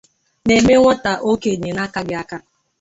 Na-eme nwata okenye n'akaghị aka